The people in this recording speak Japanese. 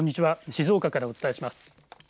静岡からお伝えします。